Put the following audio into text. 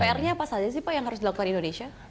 pr nya apa saja sih pak yang harus dilakukan indonesia